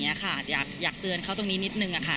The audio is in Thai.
อยากเตือนเขาตรงนี้นิดนึงค่ะ